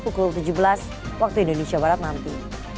pukul tujuh belas waktu indonesia barat nanti